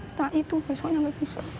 setelah itu besoknya gak bisa